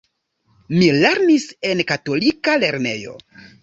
Mi lernis en katolika lernejo.